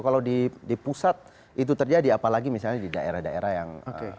kalau di pusat itu terjadi apalagi misalnya di daerah daerah yang